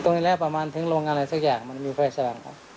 ตรงนี้แรกประมาณถึงโรงงานอะไรสักอย่างมันมีไฟสร้าง